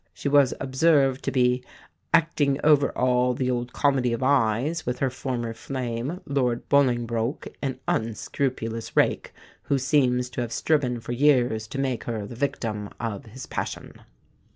She was observed to be 'acting over all the old comedy of eyes' with her former flame, Lord Bolingbroke, an unscrupulous rake, who seems to have striven for years to make her the victim of his passion."